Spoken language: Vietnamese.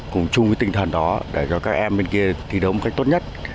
cùng chung với tinh thần đó để cho các em bên kia thi đấu một cách tốt nhất